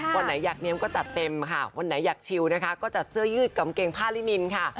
วันไหนอยากเนียมก็จัดเต็มค่ะวันไหนอยากชิวนะคะก็จัดเสื้อยืดกางเกงผ้าลินินค่ะ